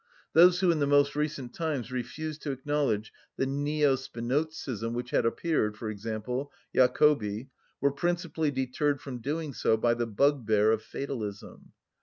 Those who in the most recent times refused to acknowledge the Neo‐Spinozism which had appeared, for example, Jacobi, were principally deterred from doing so by the bugbear of fatalism.